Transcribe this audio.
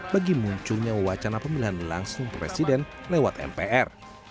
bagi munculnya wacana pemilihan langsung presiden lewat mpr